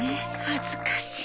恥ずかしい。